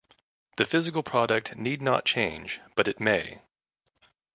The physical product need not change, but it may.